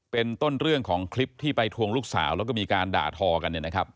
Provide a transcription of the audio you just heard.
เป็นต้นเรื่องของคลิปที่ไปทวงลูกสาวแล้วก็มีการด่าทอกันเนี่ยนะครับ